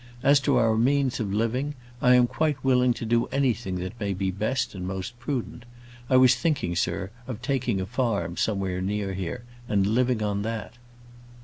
As to our means of living, I am quite willing to do anything that may be best and most prudent. I was thinking, sir, of taking a farm somewhere near here, and living on that."